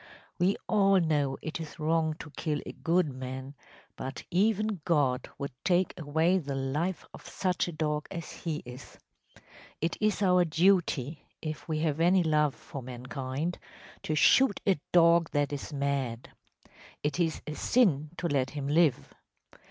We all know it is wrong to kill a good man, but even God would take away the life of such a dog as he is. It is our duty, if we have any love for mankind, to shoot a dog that is mad. It is a sin to let him live.